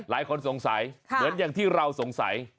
หลายคนสงสัยเหมือนอย่างที่เราสงสัย